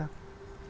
tidak ada mahar rekor